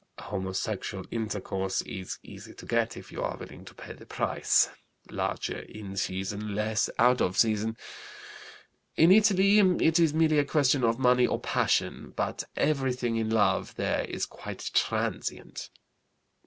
Homosexual intercourse is easy to get if you are willing to pay the price, larger in season, less out of season. "In Italy it is merely a question of money or passion, but everything in love there is quite transient.